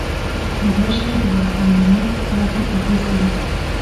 مزارشریف د افغانستان د امنیت په اړه هم اغېز لري.